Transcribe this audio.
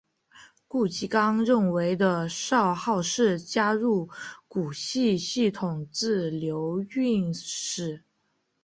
顾颉刚认为的少昊氏加入古史系统自刘歆始。